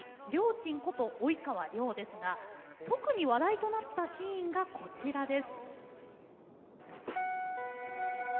ちんこと及川亮ですが特に話題となったシーンがこちらです。